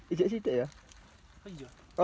ini sudah ya